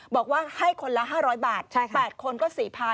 บอกว่าให้คนละ๕๐๐บาท๘คนก็๔๐๐